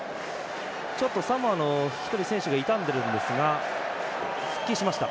サモアの一人選手が痛んでるんですが復帰しました。